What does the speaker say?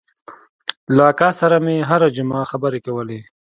له اکا سره مې هره جمعه خبرې کولې.